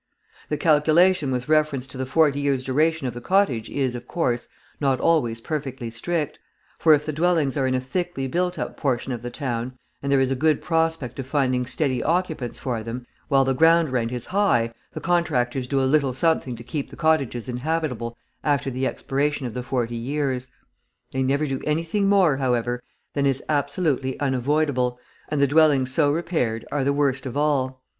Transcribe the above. The calculation with reference to the forty years' duration of the cottage is, of course, not always perfectly strict; for, if the dwellings are in a thickly built up portion of the town, and there is a good prospect of finding steady occupants for them, while the ground rent is high, the contractors do a little something to keep the cottages inhabitable after the expiration of the forty years. They never do anything more, however, than is absolutely unavoidable, and the dwellings so repaired are the worst of all.